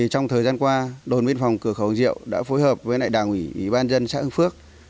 trong thời gian qua đồn biên phòng cửa khẩu diệu đã phối hợp với đảng ủy ủy ban dân xã hưng phước